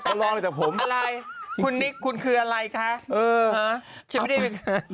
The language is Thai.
เขาลองแต่ผมอะไรคุณนิคคุณคืออะไรคะค่ะชิคกี้พายเป็นขนาด